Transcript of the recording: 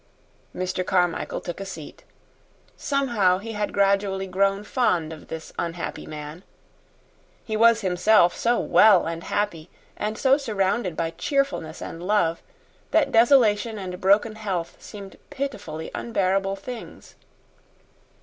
Mr. Carmichael took a seat. Somehow, he had gradually grown fond of this unhappy man. He was himself so well and happy, and so surrounded by cheerfulness and love, that desolation and broken health seemed pitifully unbearable things.